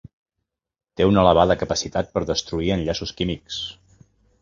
Té una elevada capacitat per a destruir enllaços químics.